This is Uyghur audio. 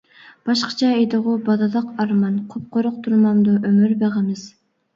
باشقىچە ئىدىغۇ بالىلىق ئارمان، قۇپقۇرۇق تۇرمامدۇ ئۆمۈر بېغىمىز.